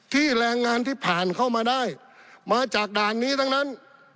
แรงงานที่ผ่านเข้ามาได้มาจากด่านนี้ทั้งนั้น